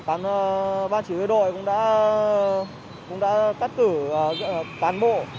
thì bà chỉ huy đội cũng đã tắt tử tàn bộ